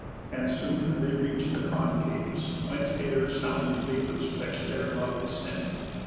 And Soon they reach'd The concaves, whence air's sounding vapours fetch'd Their loud descent.